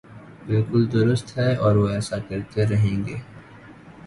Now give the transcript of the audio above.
بالکل درست ہے اور وہ ایسا کرتے رہیں گے۔